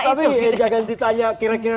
tapi jangan ditanya kira kira